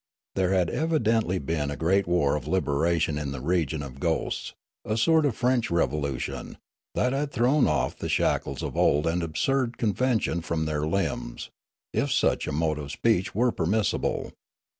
There had evid ently been a great war of liberation in the region of ghosts, a sort of French Revolution, that had thrown off the shackles of old and absurd convention from their limbs, if such a mode of speech were permissible.